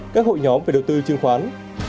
các hội nhóm về đầu tư chứng khoán